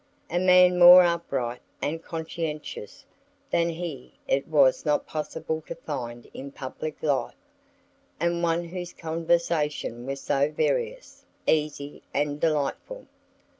A man more upright and conscientious than he it was not possible to find in public life, and one whose conversation was so various, easy, and delightful.